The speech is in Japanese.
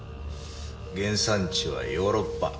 原産地はヨーロッパ。